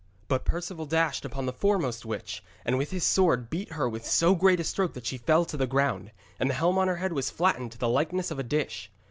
But Perceval dashed upon the foremost witch, and with his sword beat her with so great a stroke that she fell to the ground, and the helm on her head was flattened to the likeness of a dish.